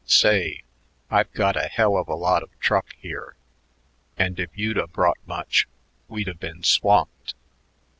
Say, I've got a hell of a lot of truck here, and if you'd a brought much, we'd a been swamped....